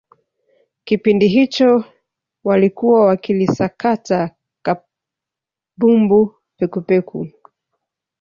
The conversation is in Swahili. kipindi hicho walikuwa wakilisakata kabumbu pekupeku